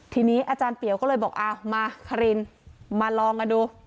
ทีนี้อาจารย์เปียวก็เลยบอกอ้าวมาคารินมาลองกันดู